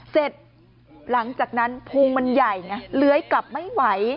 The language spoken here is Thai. เสร็จหลังจากนั้นพุงมันใหญ่ไงเลื้อยกลับไม่ไหว